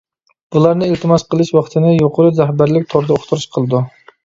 بۇلارنى ئىلتىماس قىلىش ۋاقتىنى يۇقىرى رەھبەرلىك توردا ئۇقتۇرۇش قىلىدۇ.